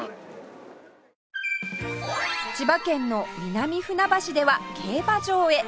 千葉県の南船橋では競馬場へ